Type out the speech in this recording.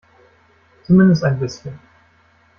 Zumindest ein bisschen.